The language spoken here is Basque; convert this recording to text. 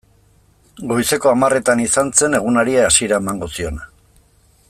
Goizeko hamarretan izan zen egunari hasiera emango ziona.